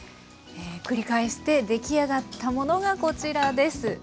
繰り返して出来上がったものがこちらです。